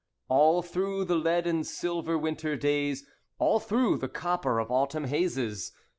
All through the lead and silver Winter days, All through the copper of Autumn hazes.